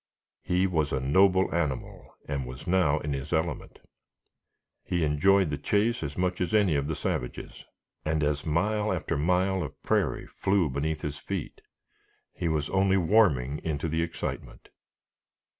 He was a noble animal, and was now in his element. He enjoyed the chase as much as any of the savages; and, as mile after mile of prairie flew beneath his feet, he was only warming into the excitement.